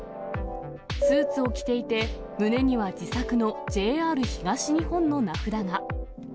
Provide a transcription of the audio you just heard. スーツを着ていて、胸には自作のＪＲ東日本の名札が。